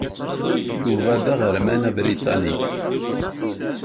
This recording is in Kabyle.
Yuba d aɣerman abriṭani.